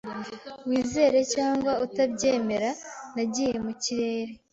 Wizere cyangwa utabyemera, nagiye mu kirere.